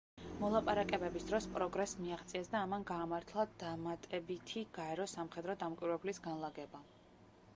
მოლაპარაკებების დროს პროგრესს მიაღწიეს და ამან გაამართლა დამატებითი გაეროს სამხედრო დამკვირვებლების განლაგება.